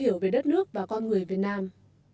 hẹn gặp lại các em trong những video tiếp theo